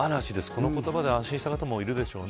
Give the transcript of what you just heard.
この言葉で安心した方もいるでしょうね。